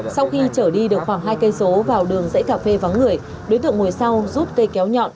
sau khi trở đi được khoảng hai km vào đường dãy cà phê vắng người đối tượng ngồi sau giúp cây kéo nhọn